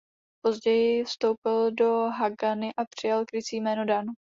Později vstoupil do Hagany a přijal krycí jméno Dan.